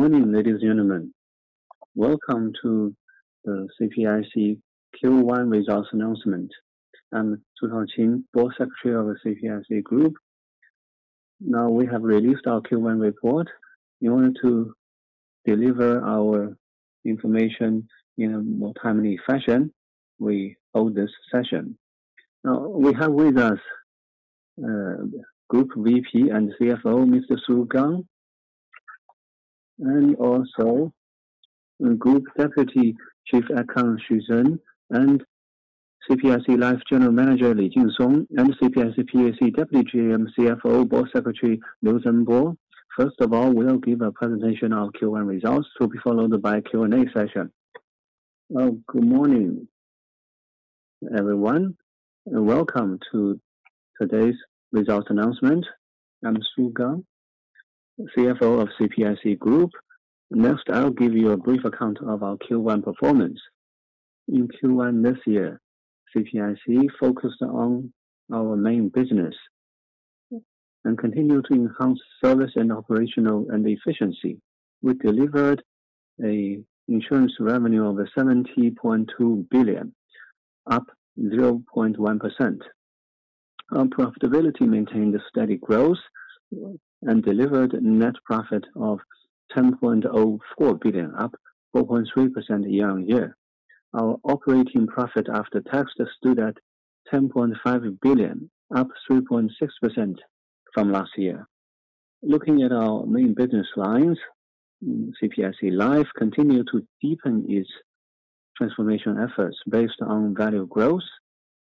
Morning, ladies and gentlemen. Welcome to the CPIC Q1 results announcement. I'm Su Shaojun, Board Secretary of the CPIC Group. Now we have released our Q1 report. In order to deliver our information in a more timely fashion, we hold this session. Now, we have with us, Group VP and CFO, Mr. Su Gang, and also Group Deputy Chief Accountant Xu Zheng, and CPIC Life General Manager Li Jinsong, and CPIC PAC Deputy GM, CFO, Board Secretary Lu Zhengbó. First of all, we'll give a presentation of Q1 results to be followed by Q&A session. Well, good morning, everyone, and welcome to today's results announcement. I'm Su Gang, CFO of CPIC Group. Next, I'll give you a brief account of our Q1 performance. In Q1 this year, CPIC focused on our main business and continued to enhance service and operational and efficiency. We delivered a insurance revenue of 70.2 billion, up 0.1%. Our profitability maintained a steady growth and delivered net profit of 10.04 billion, up 4.3% year-on-year. Our operating profit after tax stood at 10.5 billion, up 3.6% from last year. Looking at our main business lines, CPIC Life continued to deepen its transformation efforts based on value growth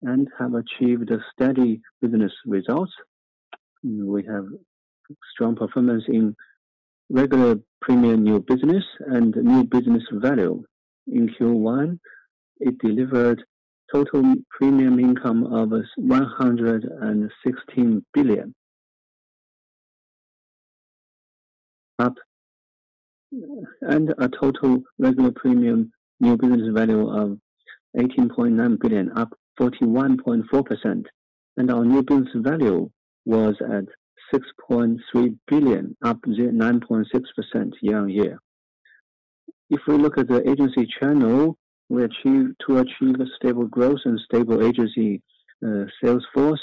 and have achieved steady business results. We have strong performance in regular premium new business and new business value. In Q1, it delivered total premium income of 116 billion, a total regular premium new business value of 18.9 billion, up 41.4%. Our new business value was at 6.3 billion, up 9.6% year-on-year. If we look at the agency channel, to achieve a stable growth and stable agency sales force,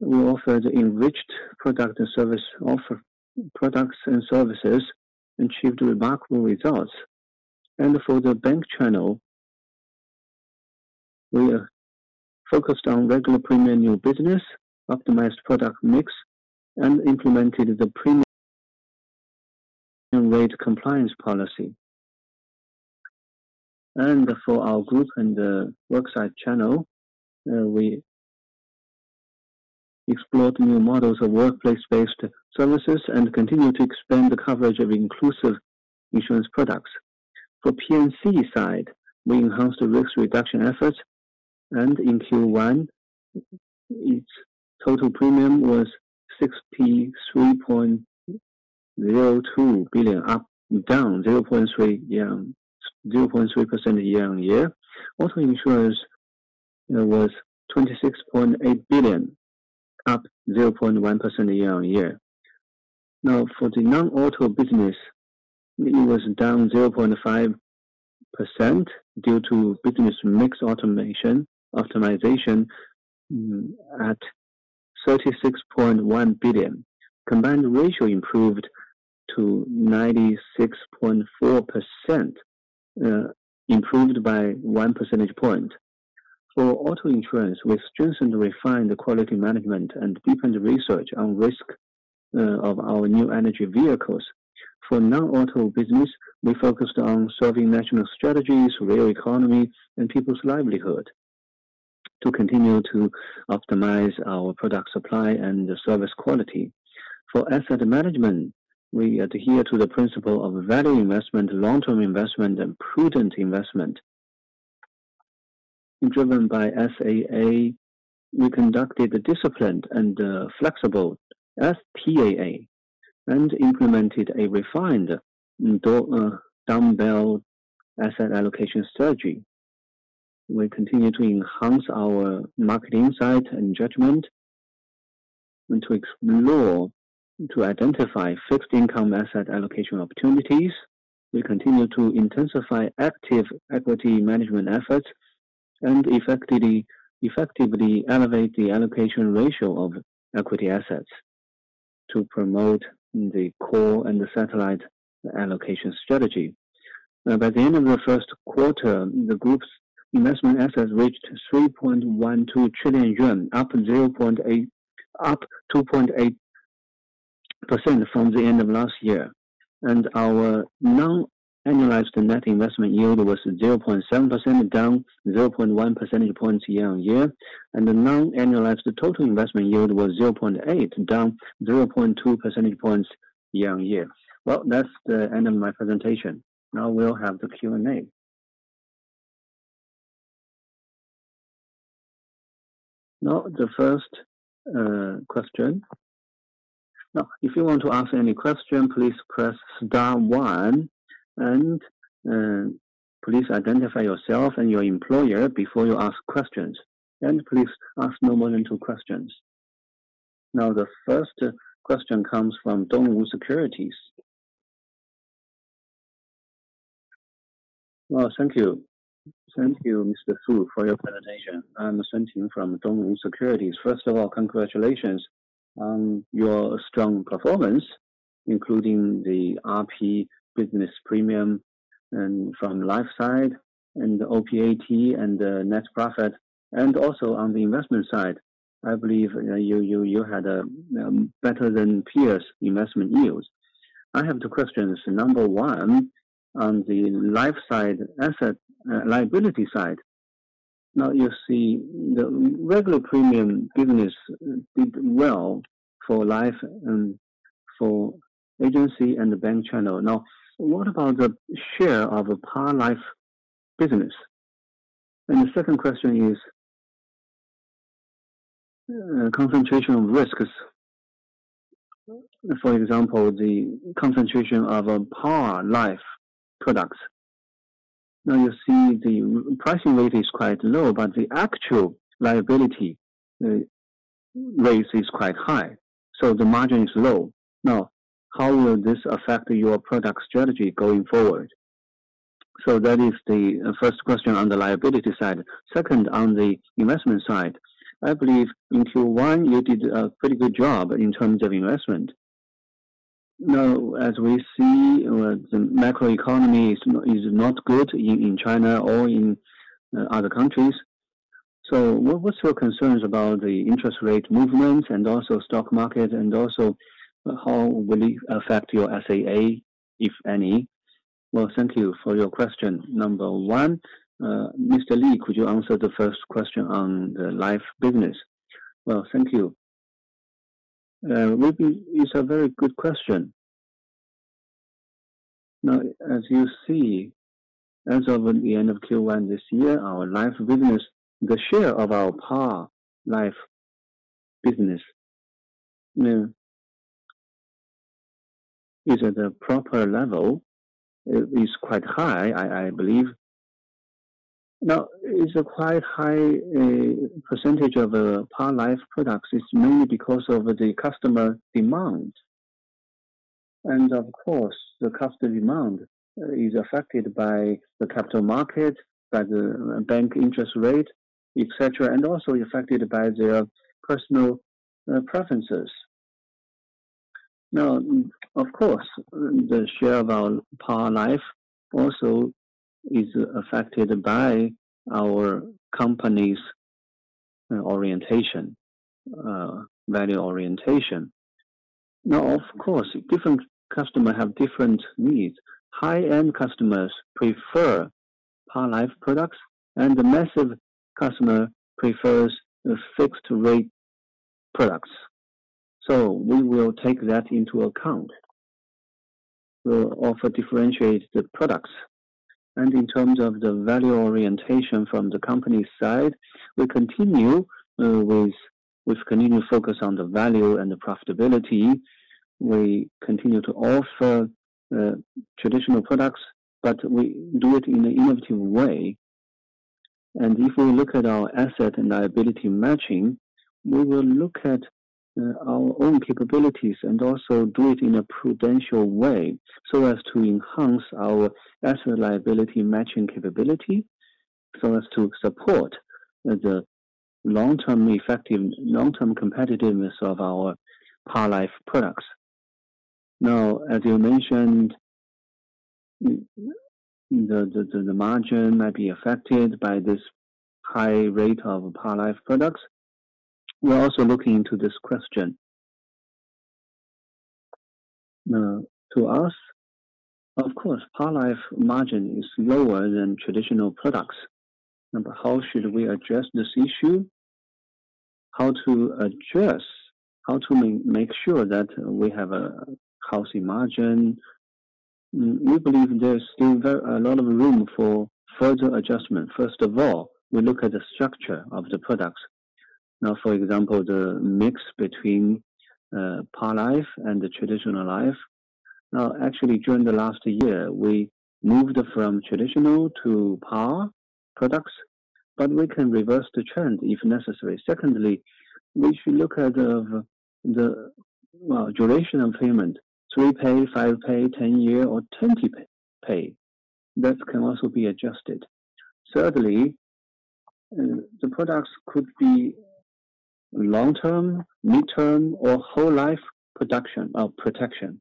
we offered enriched products and services and achieved remarkable results. For the bank channel, we are focused on regular premium new business, optimized product mix, and implemented the premium rate compliance policy. For our group and the worksite channel, we explored new models of workplace-based services and continue to expand the coverage of inclusive insurance products. For P&C side, we enhanced the risk reduction efforts, and in Q1, its total premium was 63.02 billion down 0.3% year-on-year. Auto insurance was 26.8 billion, up 0.1% year-on-year. For the non-auto business, it was down 0.5% due to business mix optimization, at 36.1 billion. Combined ratio improved to 96.4%, improved by 1 percentage point. For auto insurance, we strengthened and refined the quality management and deepened research on risk of our new energy vehicles. For non-auto business, we focused on serving national strategies, real economy, and people's livelihood to continue to optimize our product supply and the service quality. For asset management, we adhere to the principle of value investment, long-term investment, and prudent investment. Driven by SAA, we conducted a disciplined and flexible TAA and implemented a refined dumbbell asset allocation strategy. We continue to enhance our market insight and judgment and to explore to identify fixed income asset allocation opportunities. We continue to intensify active equity management efforts and effectively elevate the allocation ratio of equity assets to promote the core and the satellite allocation strategy. By the end of the first quarter, the group's investment assets reached 3.12 trillion yuan, up 2.8% from the end of last year. Our non-annualized net investment yield was 0.7%, down 0.1 percentage points year-on-year, and the non-annualized total investment yield was 0.8%, down 0.2 percentage points year-on-year. Well, that's the end of my presentation. Now we'll have the Q&A. Now the first question. Now, if you want to ask any question, please press star one, please identify yourself and your employer before you ask questions. Please ask no more than two questions. The first question comes from Dongwu Securities. Thank you. Thank you, Mr. Su, for your presentation. I'm [Sen Ting] from Dongwu Securities. First of all, congratulations on your strong performance, including the RP business premium and from life side and the OPAT and the net profit. Also on the investment side, I believe you had a better than peers investment yields. I have two questions. Number one, on the life side asset, liability side. You see the regular premium business did well for life and for agency and the bank channel. What about the share of a par life business? The second question is concentration of risks. For example, the concentration of par life products. You see the pricing rate is quite low, but the actual liability rates is quite high. The margin is low. How will this affect your product strategy going forward? That is the first question on the liability side. Second, on the investment side, I believe in Q1 you did a pretty good job in terms of investment. As we see the macroeconomy is not good in China or in other countries. What was your concerns about the interest rate movements and also stock market, and also how will it affect your SAA, if any? Well, thank you for your question. Number one, Mr. Li, could you answer the first question on the life business? Well, thank you. Maybe it's a very good question. Now, as you see, as of the end of Q1 this year, our life business, the share of our par life business, is at a proper level, is quite high I believe. Now, it's a quite high percentage of par life products. It's mainly because of the customer demand. Of course, the customer demand is affected by the capital market, by the bank interest rate, et cetera, and also affected by their personal preferences. Now, of course, the share of our par life also is affected by our company's orientation, value orientation. Now, of course, different customer have different needs. High-end customers prefer par life products, and the massive customer prefers a fixed rate products. We will take that into account. We'll offer differentiated products. In terms of the value orientation from the company side, we continue with continued focus on the value and the profitability. We continue to offer traditional products, but we do it in an innovative way. If we look at our asset and liability matching, we will look at our own capabilities and also do it in a prudential way so as to enhance our asset liability matching capability, so as to support the long-term effective, long-term competitiveness of our par life products. Now, as you mentioned, the margin might be affected by this high rate of par life products. We're also looking into this question. To us, of course, par life margin is lower than traditional products. Now, how should we address this issue? How to address, make sure that we have a healthy margin? We believe there's still a lot of room for further adjustment. First of all, we look at the structure of the products. For example, the mix between par life and the traditional life. Actually during the last year, we moved from traditional to par products, but we can reverse the trend if necessary. Secondly, we should look at the well, duration of payment. Three pay, five pay, 10 year or 20 pay. That can also be adjusted. Thirdly, the products could be long-term, midterm, or whole life protection.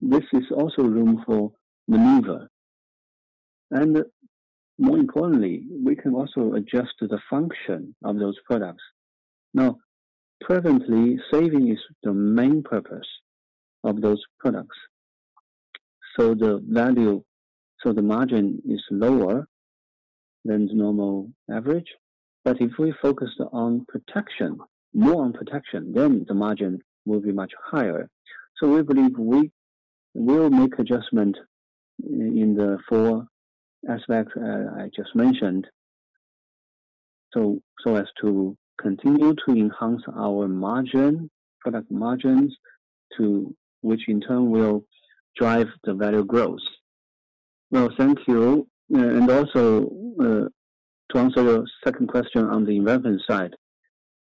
This is also room for maneuver. More importantly, we can also adjust the function of those products. Presently, saving is the main purpose of those products. The value, so the margin is lower than the normal average. If we focus on protection, more on protection, then the margin will be much higher. We believe we will make adjustment in the four aspects I just mentioned so as to continue to enhance our margin, product margins, to which in turn will drive the value growth. Well, thank you. To answer your second question on the investment side,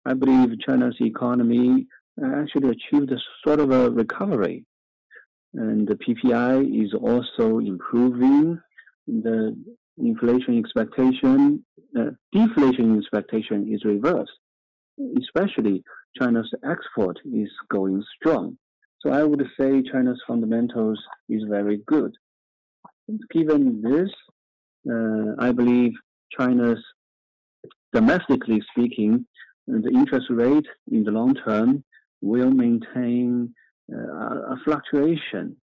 I believe China's economy actually achieved a sort of a recovery, and the PPI is also improving. The inflation expectation, deflation expectation is reversed, especially China's export is going strong. I would say China's fundamentals is very good. Given this, I believe China's domestically speaking, the interest rate in the long term will maintain a fluctuation,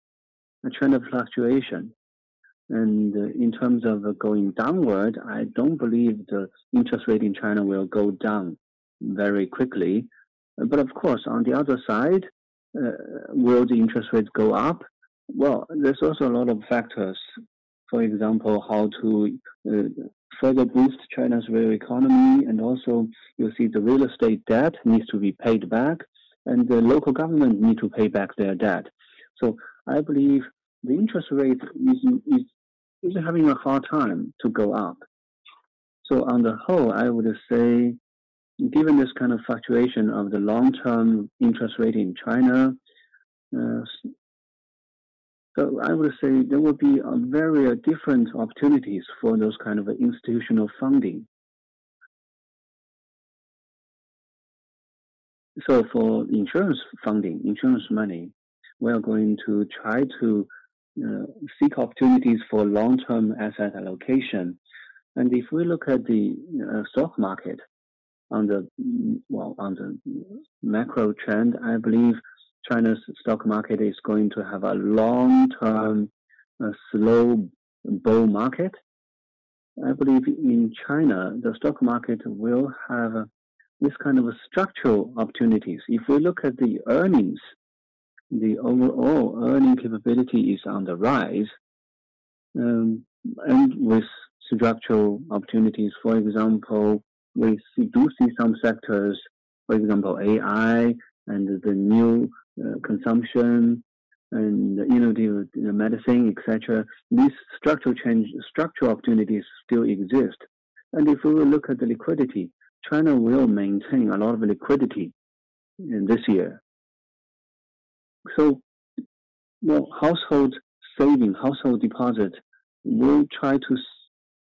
a trend of fluctuation. In terms of going downward, I don't believe the interest rate in China will go down very quickly. Of course, on the other side, will the interest rates go up? Well, there's also a lot of factors. For example, how to further boost China's real economy. Also you see the real estate debt needs to be paid back, and the local government need to pay back their debt. I believe the interest rate is having a hard time to go up. On the whole, I would say given this kind of fluctuation of the long-term interest rate in China, so I would say there will be very different opportunities for those kind of institutional funding. For insurance funding, insurance money, we are going to try to seek opportunities for long-term asset allocation. If we look at the stock market on the macro trend, I believe China's stock market is going to have a long-term slow bull market. I believe in China, the stock market will have this kind of structural opportunities. If we look at the earnings, the overall earning capability is on the rise. With structural opportunities, for example, we do see some sectors, for example, AI and the new consumption and, you know, the medicine, et cetera. These structural change, structural opportunities still exist. If we will look at the liquidity, China will maintain a lot of liquidity in this year. Household saving, household deposit will try to.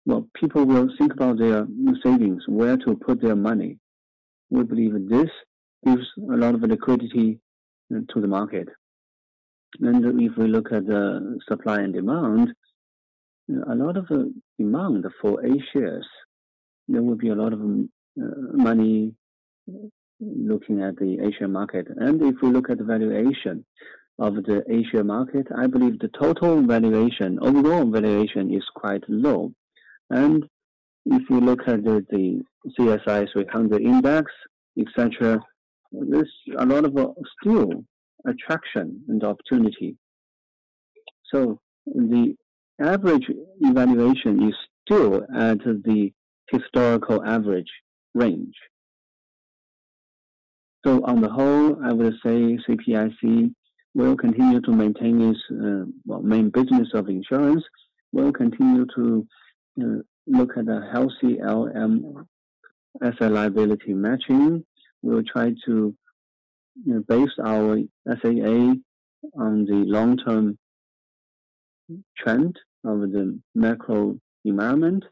Well, people will think about their new savings, where to put their money. We believe this gives a lot of liquidity to the market. If we look at the supply and demand, a lot of demand for A-shares, there will be a lot of money looking at the A-share market. If we look at the valuation of the A-share market, I believe the total valuation, overall valuation is quite low. If we look at the CSI 300 Index, et cetera, there's a lot of still attraction and opportunity. The average valuation is still at the historical average range. On the whole, I will say CPIC will continue to maintain its well, main business of insurance. We'll continue to look at a healthy ALM asset liability matching. We'll try to, you know, base our SAA on the long-term trend of the macro environment.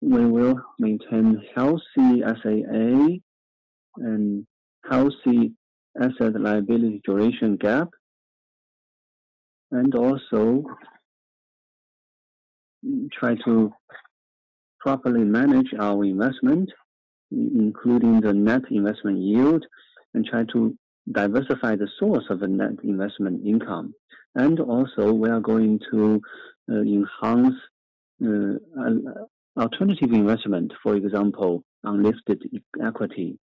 We will maintain healthy SAA and healthy asset liability duration gap, also try to properly manage our investment, including the net investment yield, try to diversify the source of the net investment income. Also, we are going to enhance alternative investment, for example, unlisted equity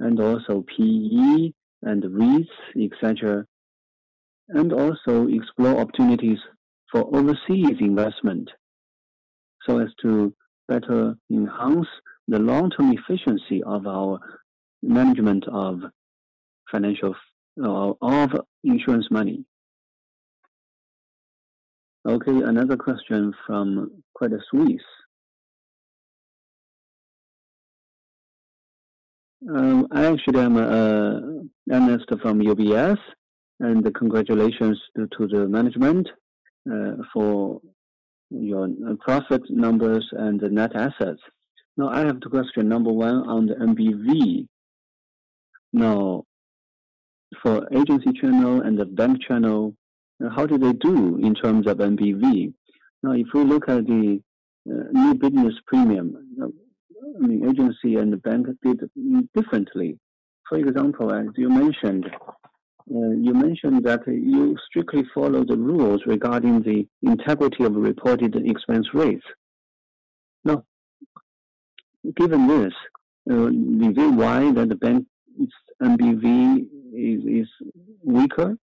PE and REITs, et cetera, explore opportunities for overseas investment so as to better enhance the long-term efficiency of our management of financial of insurance money. Okay, another question from [UBS]. I actually am an analyst from UBS, congratulations to the management for your profit numbers and net assets. Now, I have two questions. Number one on the NBV. Now, for agency channel and the bank channel, how do they do in terms of NBV? If we look at the new business premium, I mean, agency and the bank did differently. For example, as you mentioned, you mentioned that you strictly follow the rules regarding the integrity of reported expense rates. Given this, is it why that the bank's NBV is weaker?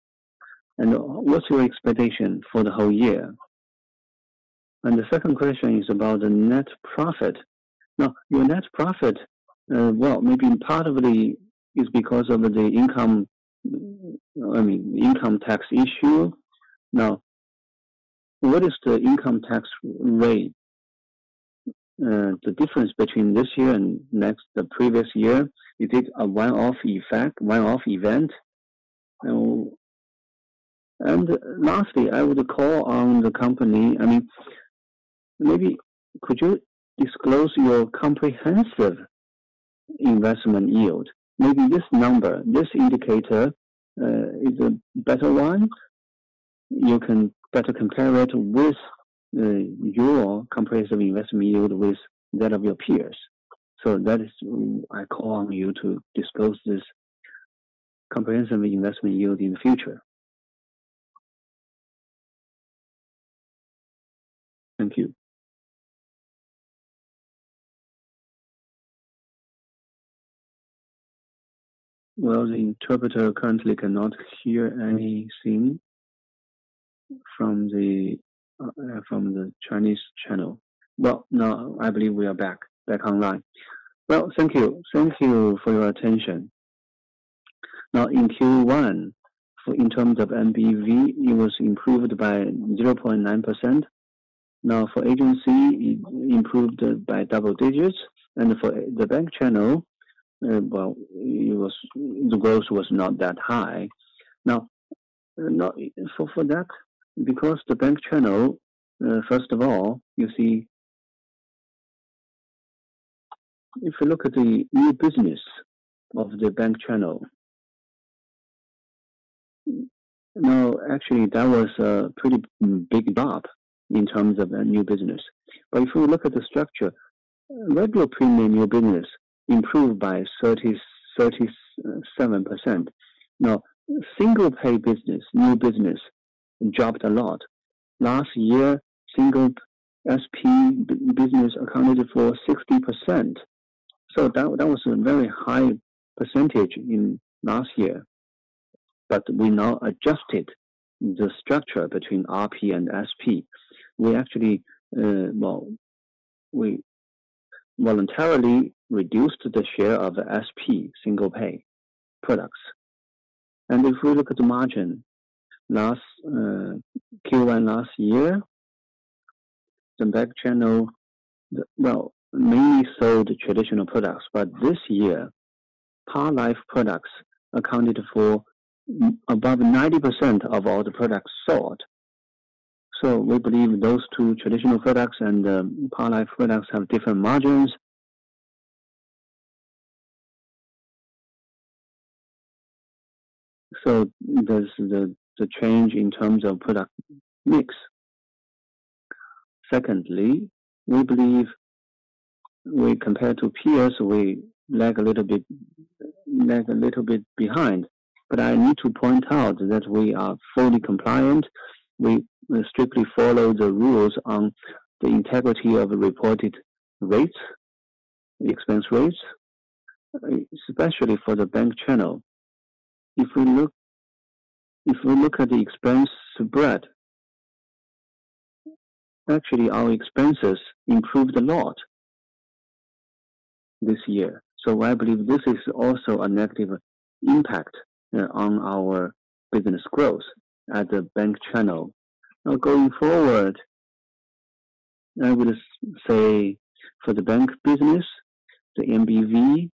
What's your expectation for the whole year? The second question is about the net profit. Your net profit, well, maybe part of the, is because of the income, I mean, income tax issue. What is the income tax rate? The difference between this year and next, the previous year, it is a one-off effect, one-off event. Lastly, I would call on the company, I mean, maybe could you disclose your comprehensive investment yield? Maybe this number, this indicator, is a better one. You can better compare it with your comprehensive investment yield with that of your peers. That is why I call on you to disclose this comprehensive investment yield in the future. Thank you. The interpreter currently cannot hear anything from the Chinese channel. Now I believe we are back online. Thank you. Thank you for your attention. In Q1, for in terms of NBV, it was improved by 0.9%. For agency, it improved by double-digits. For the bank channel, the growth was not that high. Because the bank channel, first of all, if you look at the new business of the bank channel. Actually that was a pretty big drop in terms of new business. If you look at the structure, regular premium new business improved by 37%. Single-pay business, new business dropped a lot. Last year, single SP business accounted for 60%. That was a very high percentage in last year. We now adjusted the structure between RP and SP. We actually, well, we voluntarily reduced the share of the SP, single-pay products. If we look at the margin, last Q1 last year, the bank channel, well, mainly sold traditional products, this year, par life products accounted for above 90% of all the products sold. We believe those two traditional products and par life products have different margins. There's the change in terms of product mix. Secondly, we believe we compare to peers, we lag a little bit behind. I need to point out that we are fully compliant. We strictly follow the rules on the integrity of reported rates, the expense rates, especially for the bank channel. If we look at the expense spread, actually our expenses improved a lot this year. I believe this is also a negative impact on our business growth at the bank channel. Going forward, I would say for the bank business, the NBV,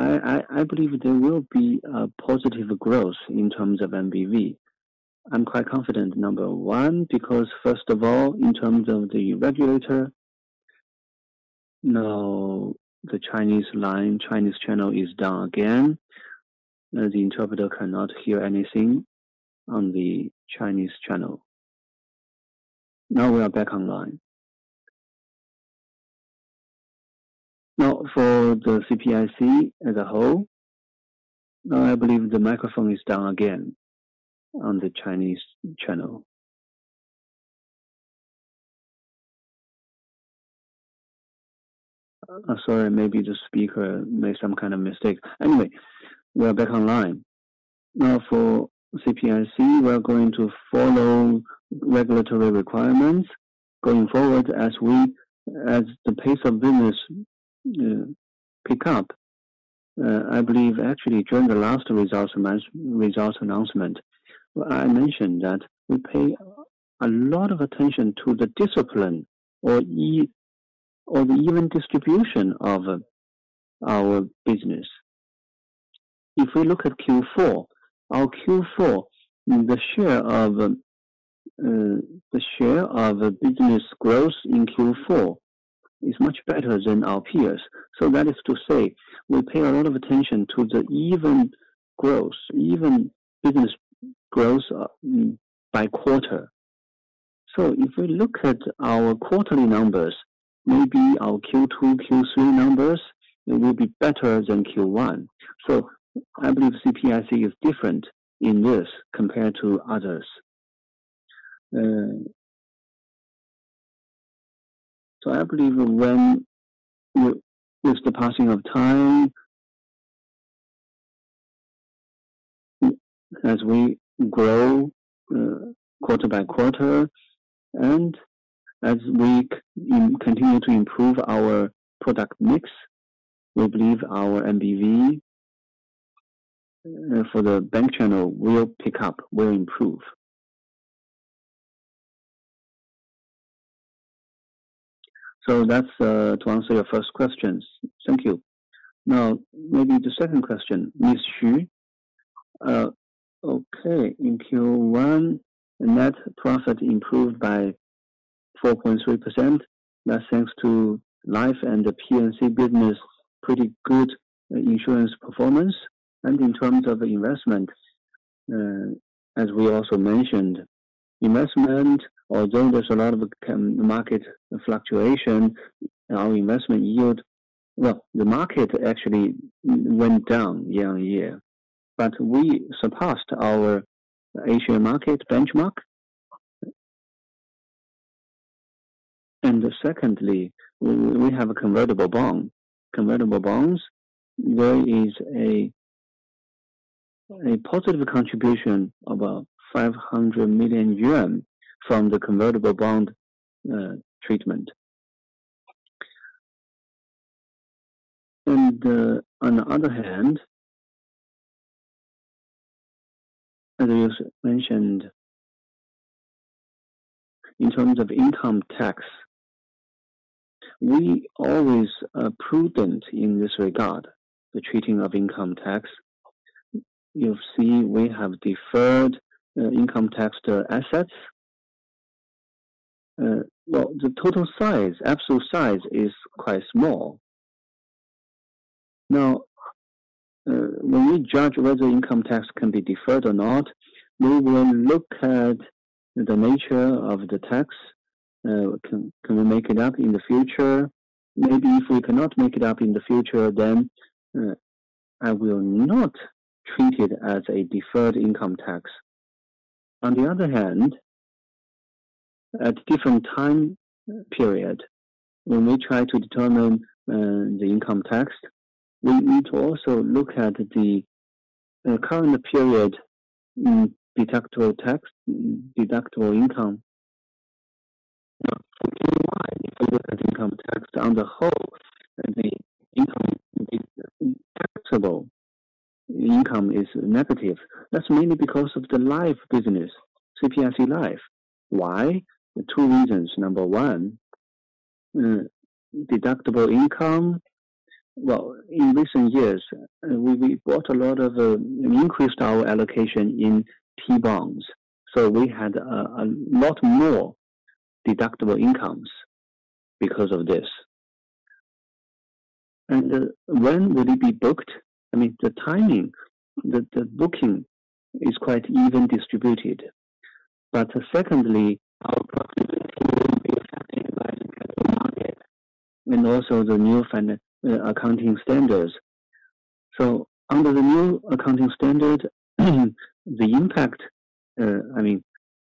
I believe there will be a positive growth in terms of NBV. I'm quite confident, number one, because first of all, in terms of the regulator. The Chinese channel is down again. The interpreter cannot hear anything on the Chinese channel. We are back online. For the CPIC as a whole. I believe the microphone is down again on the Chinese channel. Sorry, maybe the speaker made some kind of mistake. Anyway, we are back online. Now for CPIC, we are going to follow regulatory requirements going forward as we, as the pace of business pick up. I believe actually during the last results announcement, I mentioned that we pay a lot of attention to the discipline or the even distribution of our business. If we look at Q4, our Q4, the share of business growth in Q4 is much better than our peers. That is to say, we pay a lot of attention to the even business growth by quarter. If we look at our quarterly numbers, maybe our Q2, Q3 numbers, it will be better than Q1. I believe CPIC is different in this compared to others. I believe with the passing of time. As we grow quarter by quarter and as we continue to improve our product mix, we believe our NBV for the bank channel will pick up, will improve. That's to answer your first questions. Thank you. Maybe the second question, Ms. Xu. In Q1, the net profit improved by 4.3%. That's thanks to life and the P&C business, pretty good insurance performance. In terms of investment, as we also mentioned, investment, although there's a lot of market fluctuation, our investment yield. Well, the market actually went down year-on-year, but we surpassed our A-share market benchmark. Secondly, we have a convertible bond. Convertible bonds, there is a positive contribution of 500 million yuan from the convertible bond treatment. On the other hand, as I mentioned, in terms of income tax, we always are prudent in this regard, the treating of income tax. You see we have deferred income tax to assets. Well, the total size, absolute size is quite small. When we judge whether income tax can be deferred or not, we will look at the nature of the tax. Can we make it up in the future? If we cannot make it up in the future, then, I will not treat it as a deferred income tax. At different time period, when we try to determine the income tax, we need to also look at the current period, deductible tax, deductible income. Now, for Q1, if we look at income tax on the whole, the taxable income is negative. That's mainly because of the life business, CPIC Life. Why? Two reasons. Number one, deductible income. Well, in recent years, we bought a lot of, increased our allocation in T-bonds, so we had a lot more deductible incomes because of this. When will it be booked? I mean, the timing, the booking is quite even distributed. Our profitability won't be affected by the capital market. Also the new accounting standards. Under the new accounting standard, the impact, I mean,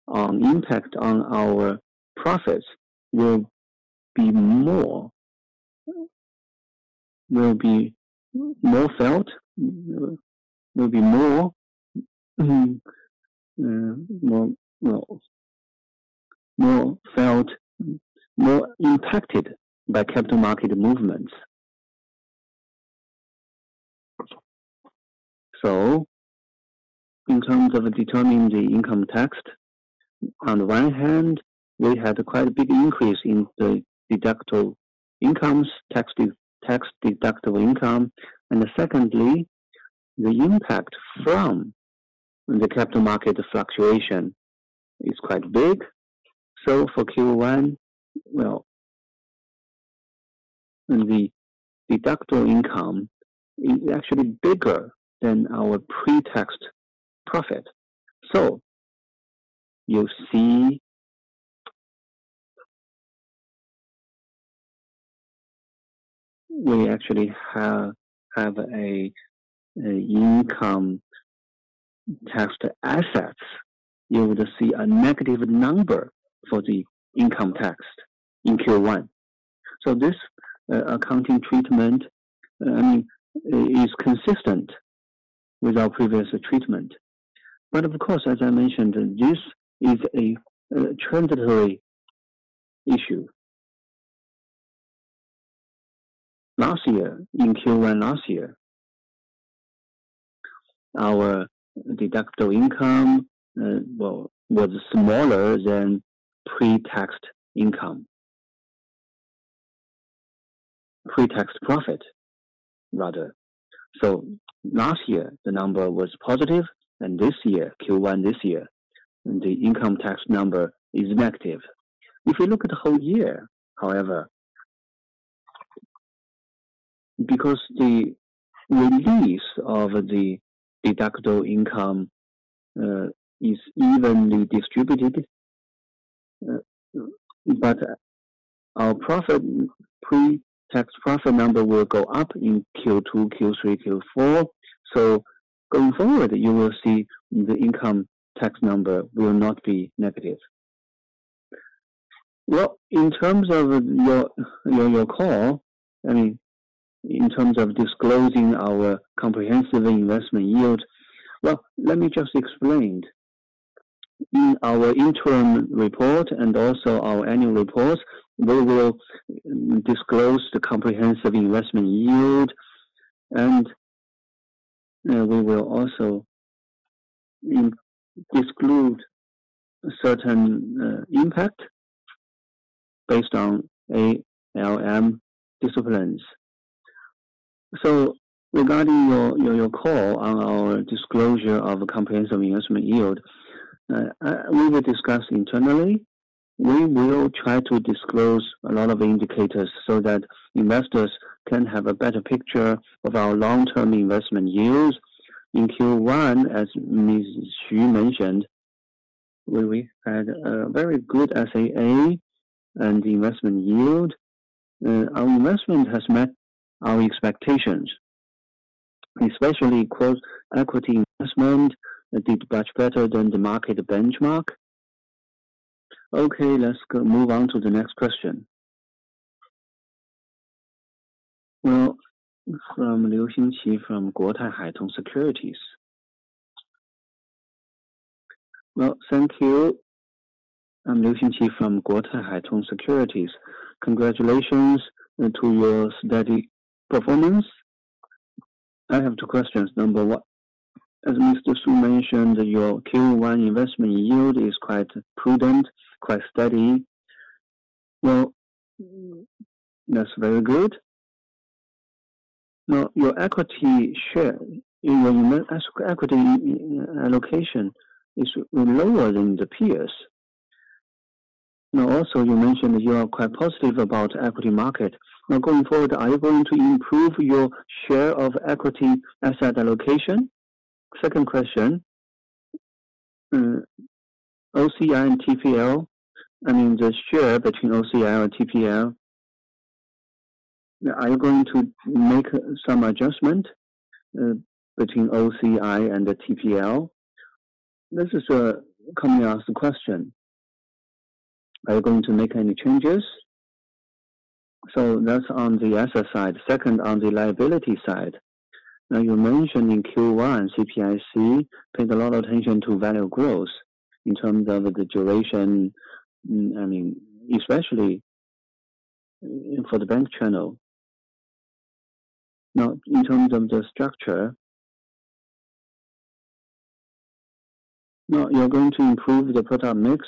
on impact on our profits will be more felt, more impacted by capital market movements. In terms of determining the income tax, on the one hand, we had quite a big increase in the deductible incomes, tax deductible income. Secondly, the impact from the capital market fluctuation is quite big. For Q1, well, the deductible income is actually bigger than our pre-tax profit. You see we actually have a income tax to assets. You would see a negative number for the income tax in Q1. This accounting treatment, I mean, is consistent with our previous treatment. Of course, as I mentioned, this is a transitory issue. Last year, in Q1 last year, our deductible income, well, was smaller than pre-tax income. Pre-tax profit, rather. Last year, the number was positive, and this year, Q1 this year, the income tax number is negative. If you look at the whole year, however, because the release of the deductible income is evenly distributed, our profit, pre-tax profit number will go up in Q2, Q3, Q4. Going forward, you will see the income tax number will not be negative. In terms of your, your call, I mean, in terms of disclosing our comprehensive investment yield, well, let me just explain. In our interim report and also our annual reports, we will disclose the comprehensive investment yield, we will also exclude certain impact based on ALM disciplines. Regarding your call on our disclosure of comprehensive investment yield, we will discuss internally. We will try to disclose a lot of indicators so that investors can have a better picture of our long-term investment yields. In Q1, as Xu Zheng mentioned, we had a very good SAA and investment yield. Our investment has met our expectations, especially cross-equity investment did much better than the market benchmark. Let's go move on to the next question. From Liu Xingqi from Guotai Junan Securities. Thank you. I'm Liu Xingqi from Guotai Junan Securities. Congratulations to your steady performance. I have two questions. Number one, as Xu Zheng mentioned, your Q1 investment yield is quite prudent, quite steady. That's very good. Your equity share in your equity allocation is lower than the peers. Also, you mentioned you are quite positive about equity market. Going forward, are you going to improve your share of equity asset allocation? Second question, OCI and TPL, I mean, the share between OCI and TPL, are you going to make some adjustment between OCI and the TPL? This is a commonly asked question. Are you going to make any changes? That's on the asset side. Second, on the liability side. You mentioned in Q1, CPIC pays a lot of attention to value growth in terms of the duration, I mean, especially for the bank channel. In terms of the structure, you're going to improve the product mix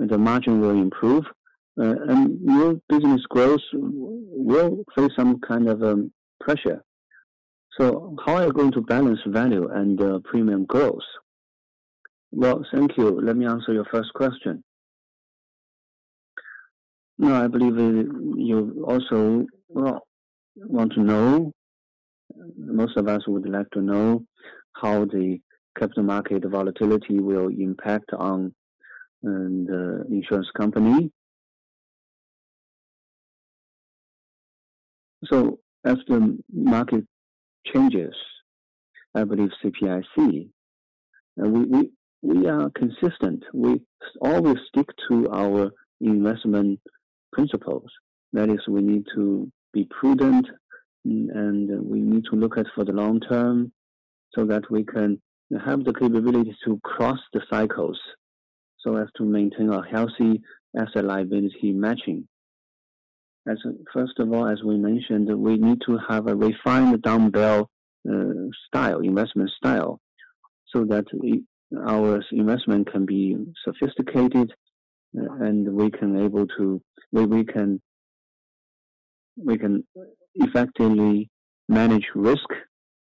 and the margin will improve, your business growth will face some kind of pressure. How are you going to balance value and premium growth? Well, thank you. Let me answer your first question. Now, I believe you also, well, want to know, most of us would like to know how the capital market volatility will impact on the insurance company. As the market changes, I believe CPIC, we are consistent. We always stick to our investment principles. That is, we need to be prudent and we need to look at for the long term so that we can have the capabilities to cross the cycles so as to maintain a healthy asset liability matching. As first of all, as we mentioned, we need to have a refined dumbbell style, investment style, so that our investment can be sophisticated and we can effectively manage risk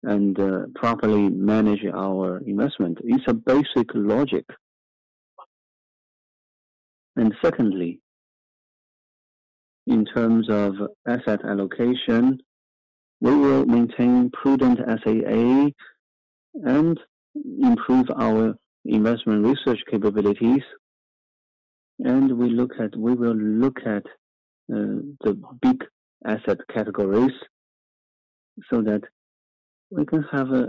and properly manage our investment. It's a basic logic. Secondly, in terms of asset allocation, we will maintain prudent SAA and improve our investment research capabilities. We will look at the big asset categories so that we can have a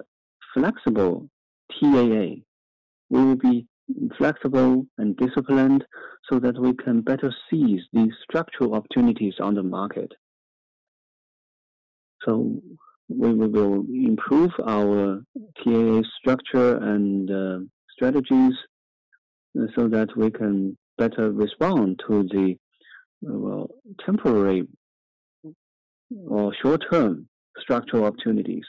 flexible TAA. We will be flexible and disciplined so that we can better seize the structural opportunities on the market. We will improve our TAA structure and strategies so that we can better respond to the, well, temporary or short-term structural opportunities.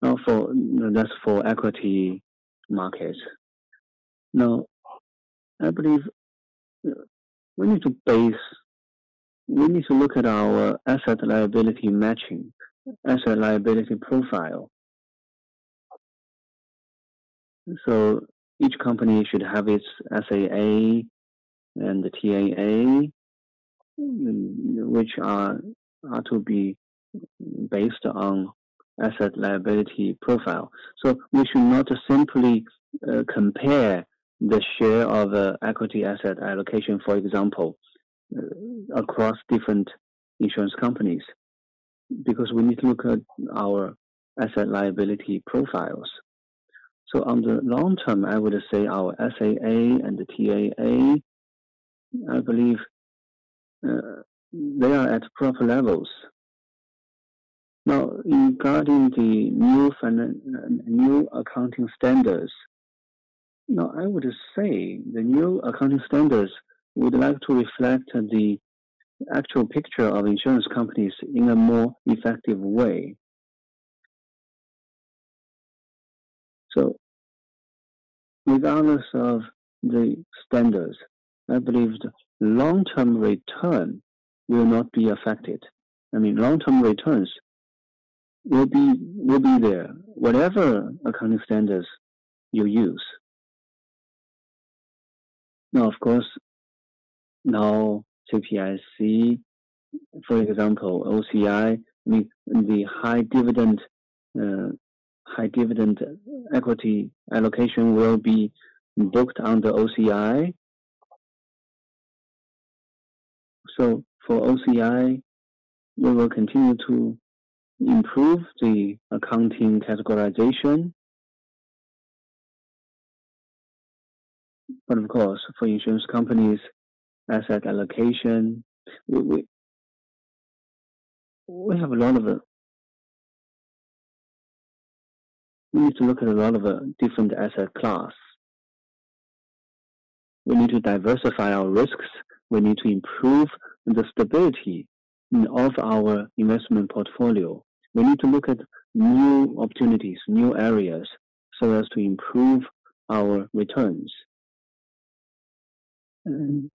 That's for equity market. I believe we need to look at our asset liability matching, asset liability profile. Each company should have its SAA and the TAA, which are to be based on asset liability profile. We should not simply compare the share of equity asset allocation, for example, across different insurance companies, because we need to look at our asset liability profiles. On the long term, I would say our SAA and TAA, I believe, they are at proper levels. Regarding the new accounting standards, I would say the new accounting standards would like to reflect the actual picture of insurance companies in a more effective way. Regardless of the standards, I believe the long-term return will not be affected. I mean, long-term returns will be there whatever accounting standards you use. Of course, CPIC, for example, OCI, the high dividend equity allocation will be booked under OCI. For OCI, we will continue to improve the accounting categorization. Of course, for insurance companies, asset allocation, we have a lot of, we need to look at a lot of different asset class. We need to diversify our risks. We need to improve the stability of our investment portfolio. We need to look at new opportunities, new areas, so as to improve our returns. We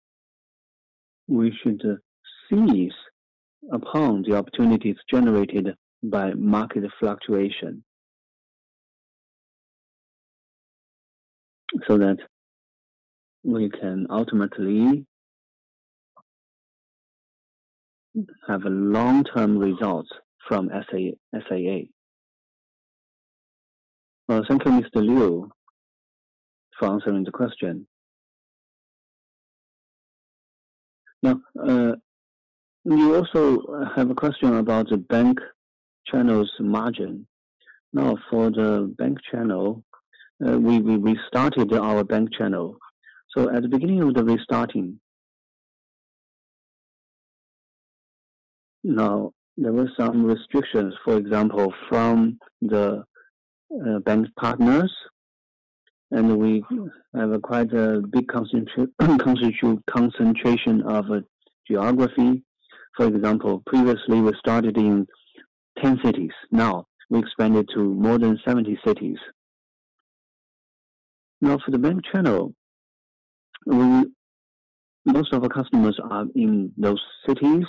should seize upon the opportunities generated by market fluctuation so that we can ultimately have a long-term result from SAA. Well, thank you, Mr. Li, for answering the question. You also have a question about the bank channel's margin. For the bank channel, we restarted our bank channel. At the beginning of the restarting, there were some restrictions, for example, from the bank partners, and we have a quite a big concentration of geography. For example, previously we started in 10 cities. Now we expanded to more than 70 cities. Now, for the bank channel, most of our customers are in those cities.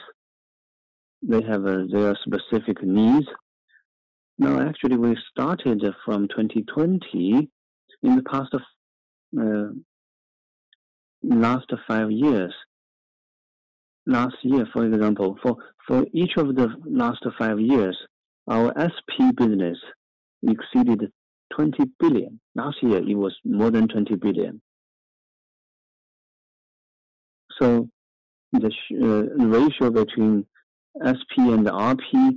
They have their specific needs. Now, actually, we started from 2020. In the past, last five years, last year, for example, for each of the last five years, our SP business exceeded 20 billion. Last year, it was more than 20 billion. The ratio between SP and RP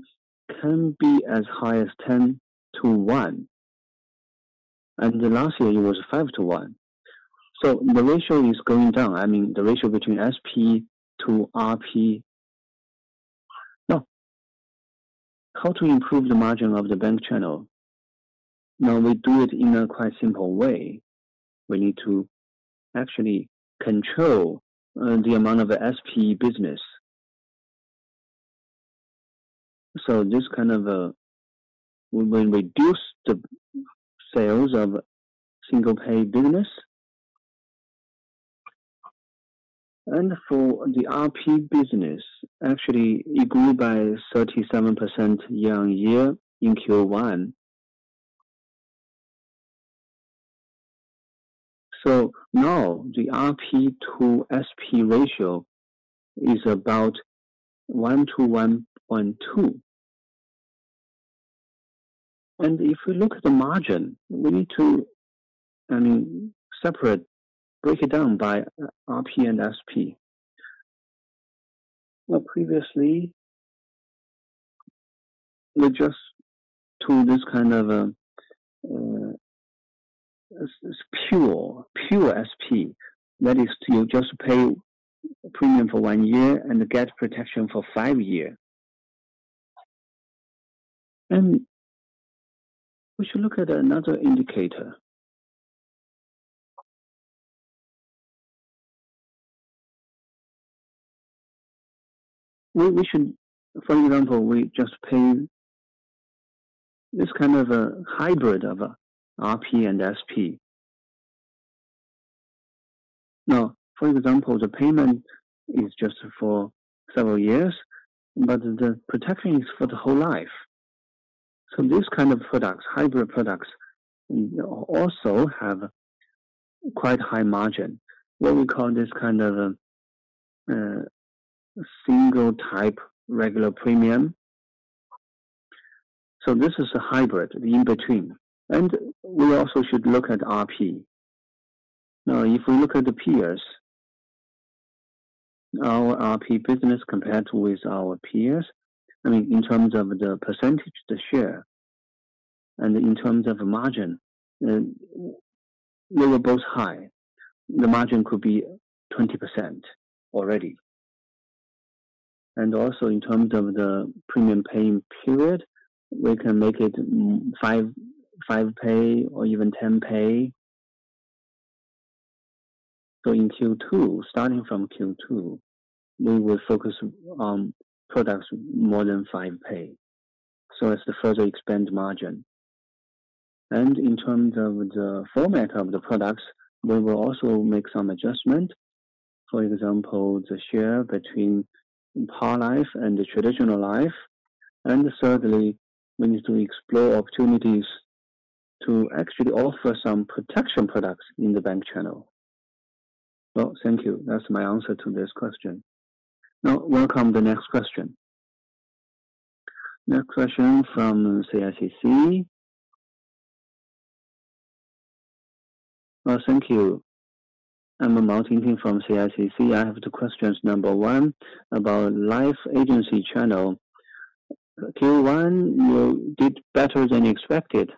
can be as high as 10/1, and last year it was 5/1. The ratio is going down. I mean, the ratio between SP to RP. Now, how to improve the margin of the bank channel? Now, we do it in a quite simple way. We need to actually control the amount of SP business. This kind of, we will reduce the sales of single-pay business. For the RP business, actually it grew by 37% year-on-year in Q1. Now the RP to SP ratio is about 1/1.2. If we look at the margin, we need to, I mean, separate, break it down by RP and SP. Previously, we adjust to this kind of, pure SP. That is to just pay premium for one year and get protection for five years. We should look at another indicator. We should, for example, we just pay this kind of a hybrid of RP and SP. For example, the payment is just for several years, but the protection is for the whole life. These kind of products, hybrid products, also have quite high margin. What we call this kind of single type regular premium. This is a hybrid, the in-between. We also should look at RP. Now, if we look at the peers. Our RP business compared with our peers, I mean, in terms of the percentage, the share, and in terms of margin, we were both high. The margin could be 20% already. Also in terms of the premium paying period, we can make it five pay or even 10 pay. In Q2, starting from Q2, we will focus on products more than five pay so as to further expand margin. In terms of the format of the products, we will also make some adjustment. For example, the share between whole life and the traditional life. Thirdly, we need to explore opportunities to actually offer some protection products in the bank channel. Well, thank you. That's my answer to this question. Welcome the next question. Next question from CICC. Oh, thank you. I'm [Mao Tingting] from CICC. I have two questions. Number one, about life agency channel. Q1, you did better than expected.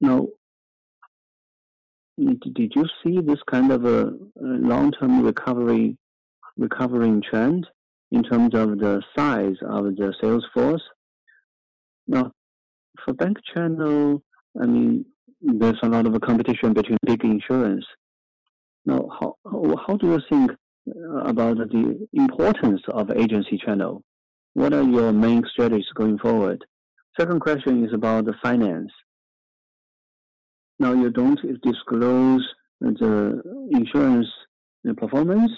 Now, did you see this kind of a long-term recovery, recovering trend in terms of the size of the sales force? For bank channel, I mean, there's a lot of competition between big insurance. How do you think about the importance of agency channel? What are your main strategies going forward? Second question is about the finance. You don't disclose the insurance performance.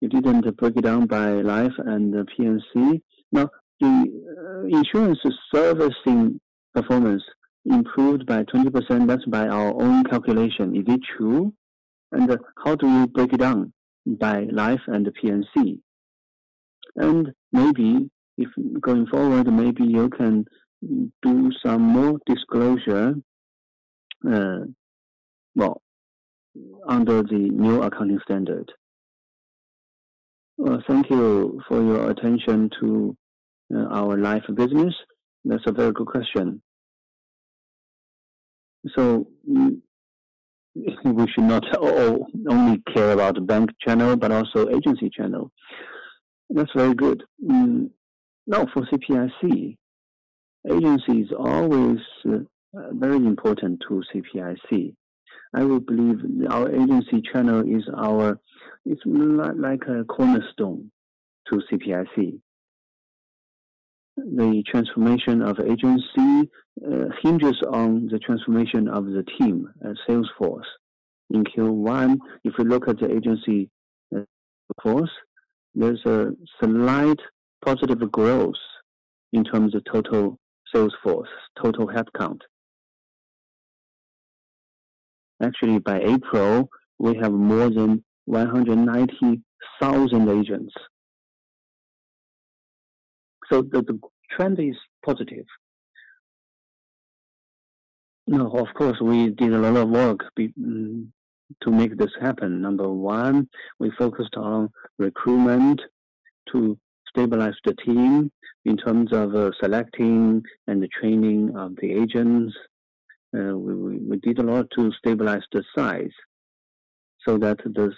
You didn't break it down by life and P&C. The insurance servicing performance improved by 20%. That's by our own calculation. Is it true? How do you break it down by life and P&C? Maybe if going forward, maybe you can do some more disclosure, well, under the new accounting standard. Thank you for your attention to our life business. That's a very good question. We should not only care about bank channel, but also agency channel. That's very good. For CPIC, agency is always very important to CPIC. I would believe our agency channel is our, it's like a cornerstone to CPIC. The transformation of agency hinges on the transformation of the team sales force. In Q1, if you look at the agency force, there's a slight positive growth in terms of total sales force, total headcount. Actually, by April, we have more than 190,000 agents. The trend is positive. Of course, we did a lot of work to make this happen. Number one, we focused on recruitment to stabilize the team in terms of selecting and the training of the agents. We did a lot to stabilize the size so that this,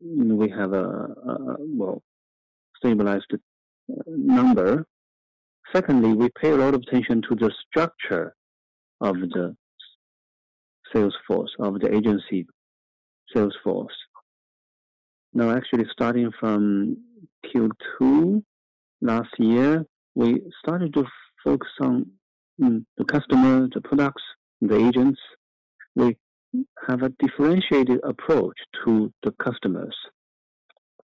we have a well-stabilized number. Secondly, we pay a lot of attention to the structure of the sales force, of the agency sales force. Now, actually, starting from Q2 last year, we started to focus on the customer, the products, the agents. We have a differentiated approach to the customers.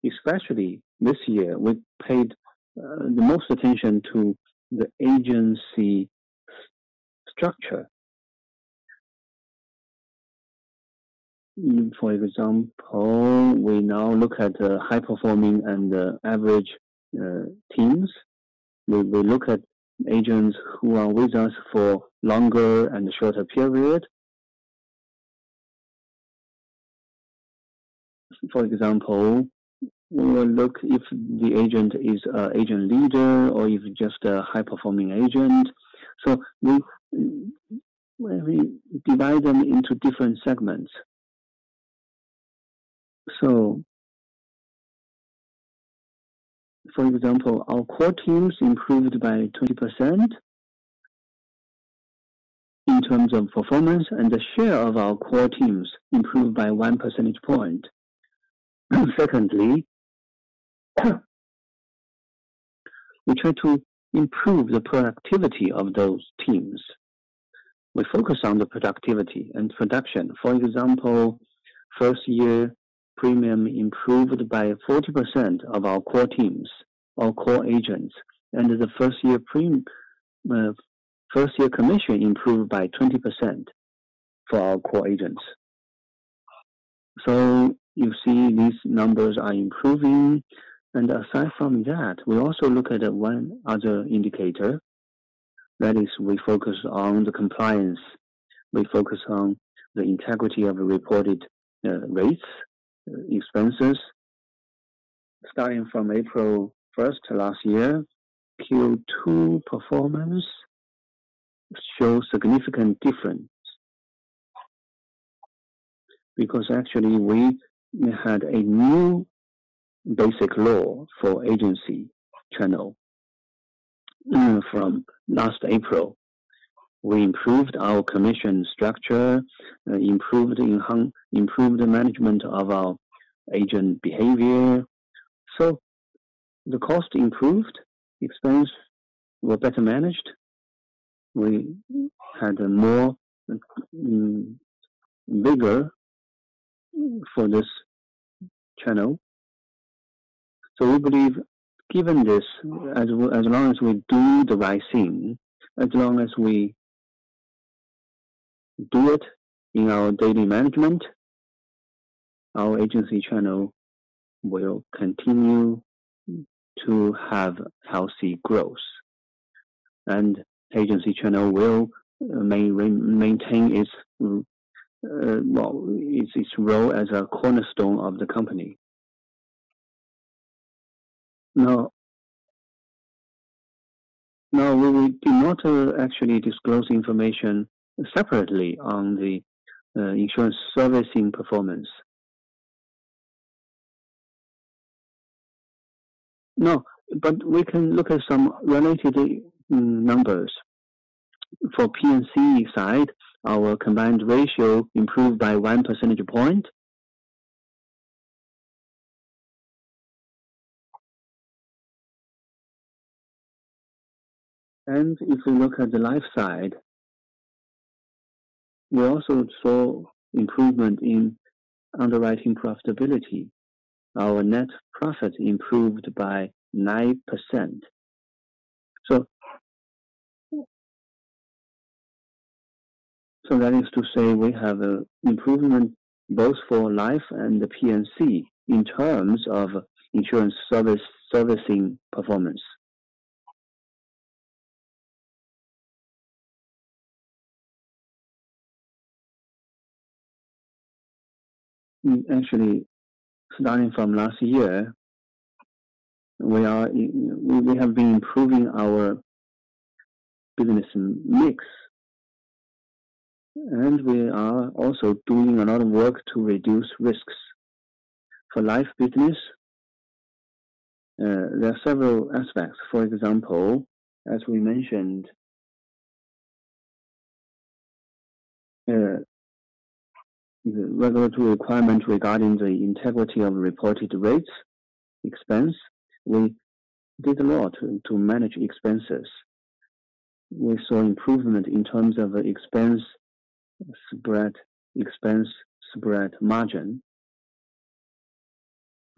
Especially this year, we paid the most attention to the agency structure. For example, we now look at high-performing and average teams. We look at agents who are with us for longer and shorter period. For example, we will look if the agent is a agent leader or if just a high-performing agent. We divide them into different segments. For example, our core teams improved by 20% in terms of performance, and the share of our core teams improved by 1 percentage point. Secondly, we try to improve the productivity of those teams. We focus on the productivity and production. For example, first year premium improved by 40% of our core teams, our core agents. The first year commission improved by 20% for our core agents. You see these numbers are improving. Aside from that, we also look at one other indicator. That is, we focus on the compliance. We focus on the integrity of the reported rates, expenses. Starting from April 1st last year, Q2 performance show significant difference. Actually we had a new basic law for agency channel from last April. We improved our commission structure, improved the management of our agent behavior. The cost improved, expense were better managed. We had a more rigor for this channel. We believe given this, as long as we do the right thing, as long as we do it in our daily management, our agency channel will continue to have healthy growth. Agency channel will maintain its, well, its role as a cornerstone of the company. No. No, we will do not actually disclose information separately on the insurance servicing performance. No, we can look at some related numbers. For P&C side, our combined ratio improved by 1 percentage point. If we look at the life side, we also saw improvement in underwriting profitability. Our net profit improved by 9%. That is to say we have a improvement both for life and the P&C in terms of insurance service, servicing performance. Actually, starting from last year, we have been improving our business mix. We are also doing a lot of work to reduce risks. For life business, there are several aspects. For example, as we mentioned, regulatory requirement regarding the integrity of reported rates, expense, we did a lot to manage expenses. We saw improvement in terms of expense spread, expense spread margin.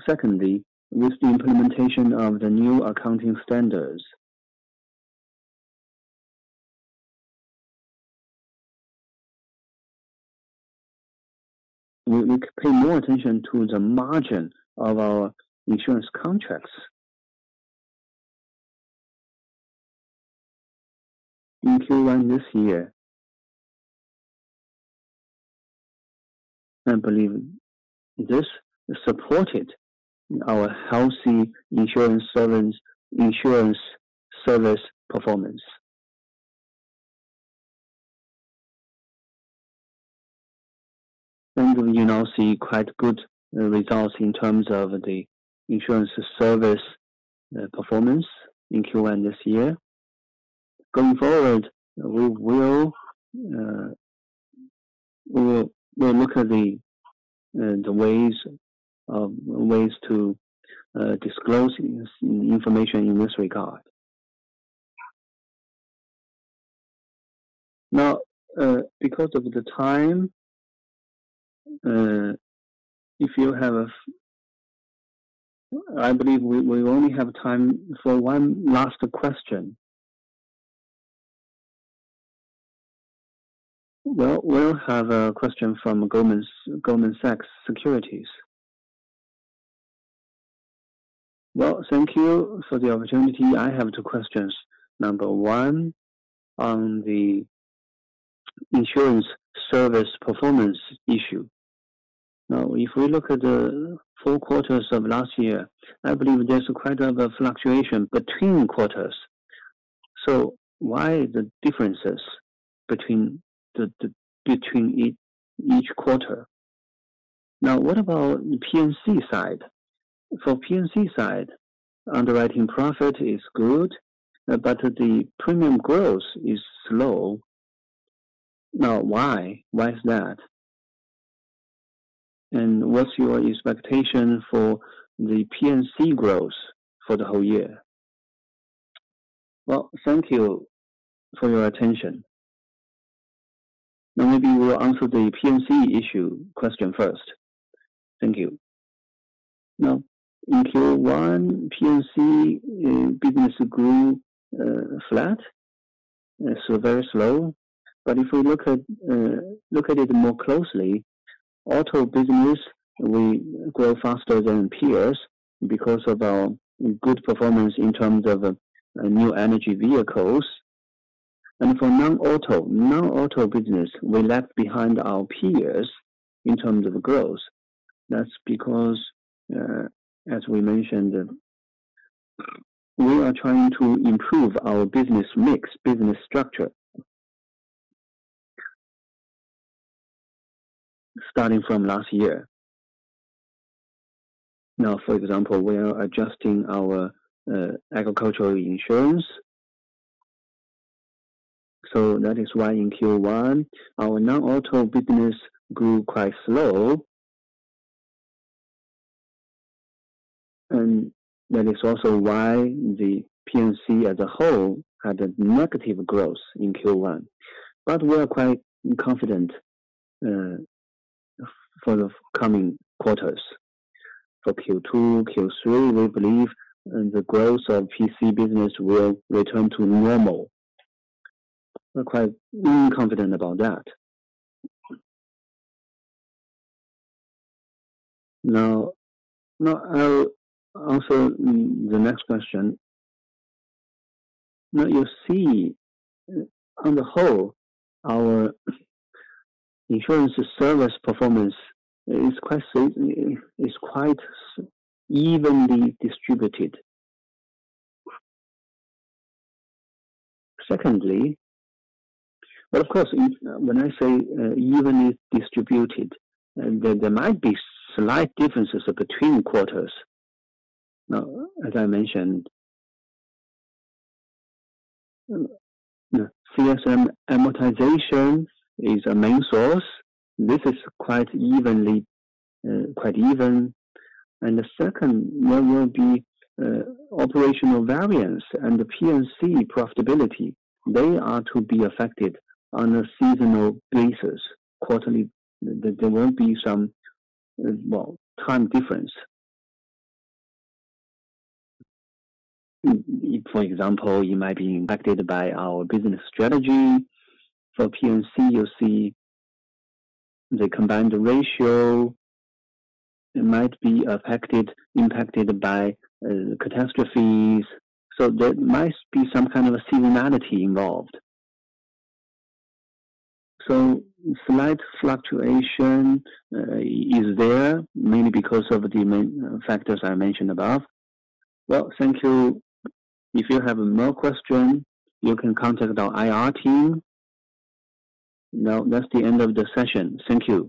Secondly, with the implementation of the new accounting standards, we pay more attention to the margin of our insurance contracts including this year. I believe this supported our healthy insurance service performance. You now see quite good results in terms of the insurance service performance in Q1 this year. Going forward, we will look at the ways to disclose this information in this regard. Now, because of the time, if you have I believe we only have time for one last question. Well, we'll have a question from Goldman Sachs Securities. Well, thank you for the opportunity. I have two questions. Number one, on the insurance service performance issue. Now, if we look at the four quarters of last year, I believe there's quite a bit of fluctuation between quarters. Why the differences between the between each quarter? Now, what about P&C side? For P&C side, underwriting profit is good, but the premium growth is slow. Now, why? Why is that? What's your expectation for the P&C growth for the whole year? Well, thank you for your attention. Maybe we'll answer the P&C issue question first. Thank you. In Q1, P&C business grew flat, so very slow. Auto business, we grow faster than peers because of our good performance in terms of new energy vehicles. For non-auto business, we left behind our peers in terms of growth. That's because, as we mentioned, we are trying to improve our business mix, business structure starting from last year. For example, we are adjusting our agricultural insurance. That is why in Q1 our non-auto business grew quite slow. That is also why the P&C as a whole had a negative growth in Q1. We are quite confident for the coming quarters. For Q2, Q3, we believe the growth of P&C business will return to normal. We're quite confident about that. Now I'll answer the next question. Now you see on the whole our insurance service performance is quite evenly distributed. Secondly. Well, of course, if when I say evenly distributed, there might be slight differences between quarters. Now, as I mentioned, CSM amortization is a main source. This is quite evenly, quite even. The second one will be operational variance and the P&C profitability. They are to be affected on a seasonal basis. Quarterly, there will be some, well, time difference. For example, you might be impacted by our business strategy. For P&C, you see the combined ratio might be affected, impacted by catastrophes. There might be some kind of seasonality involved. Slight fluctuation is there mainly because of the main factors I mentioned above. Well, thank you. If you have more question, you can contact our IR team. That's the end of the session. Thank you.